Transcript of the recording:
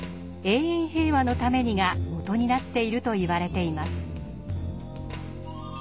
「永遠平和のために」が元になっていると言われています。